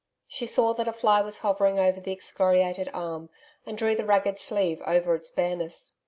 She saw that a fly was hovering over the excoriated arm and drew the ragged sleeve over its bareness.